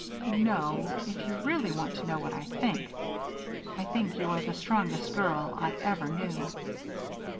"No, if you really want to know what I think I think you are the strongest girl I ever knew.